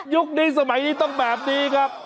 นี้สมัยนี้ต้องแบบนี้ครับ